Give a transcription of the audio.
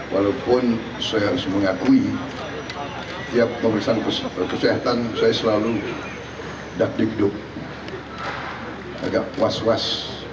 walaupun saya harus mengakui tiap pemeriksaan kesehatan saya selalu dakdikduk agak was was